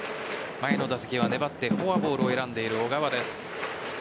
前の打席は粘ってフォアボールを選んでいる小川です。